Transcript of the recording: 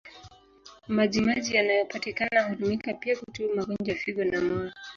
Maji maji yanayopatikana hutumika pia kutibu magonjwa ya figo na moyo.